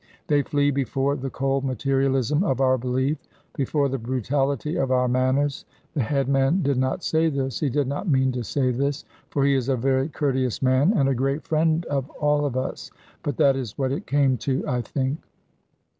They flee before the cold materialism of our belief, before the brutality of our manners. The headman did not say this; he did not mean to say this, for he is a very courteous man and a great friend of all of us; but that is what it came to, I think.